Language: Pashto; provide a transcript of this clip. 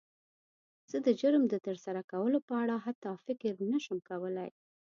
زه د جرم د تر سره کولو په اړه حتی فکر نه شم کولی.